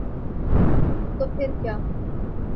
تو پھر کیا؟